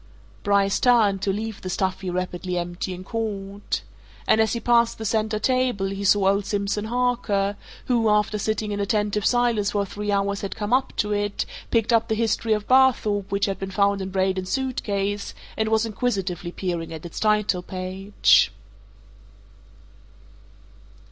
Bryce turned, to leave the stuffy, rapidly emptying court. And as he passed the centre table he saw old Simpson Harker, who, after sitting in attentive silence for three hours had come up to it, picked up the "History of Barthorpe" which had been found in Braden's suit case and was inquisitively peering at its title page.